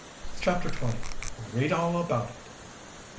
CHAPTER XX Read All About It!